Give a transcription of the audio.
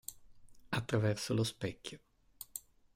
Attraverso lo specchio